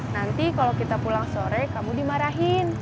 nanti kalau kita pulang sore kamu dimarahin